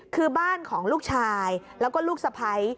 คือบ้านของลูกชายแล้วก็ลูกสะพ้าย